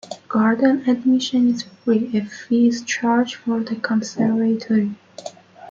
Garden admission is free; a fee is charged for the conservatory.